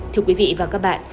thưa quý vị và các bạn